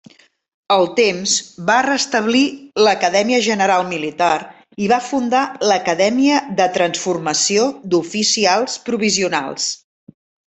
Al temps, va restablir l'Acadèmia General Militar i va fundar l'Acadèmia de Transformació d'Oficials Provisionals.